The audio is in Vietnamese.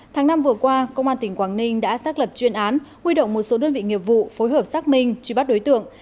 tháng năm vừa qua công an tỉnh quảng ninh đã xác lập chuyên án huy động một số đơn vị nghiệp vụ phối hợp xác minh truy bắt đối tượng